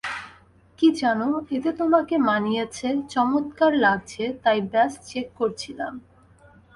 কি জানো, এতে তোমাকে মানিয়েছে, চমৎকার লাগছে, তাই ব্যস চেক করছিলাম।